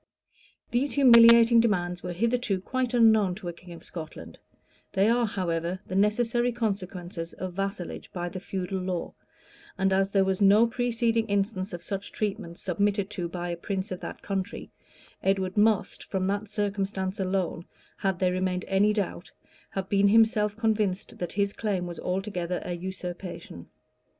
These humiliating demands were hitherto quite unknown to a king of Scotland: they are, however, the necessary consequence of vassalage by the feudal law; and as there was no preceding instance of such treatment submitted to by a prince of that country, Edward must, from that circumstance alone, had there remained any doubt, have been himself convinced that his claim was altogether a usurpation.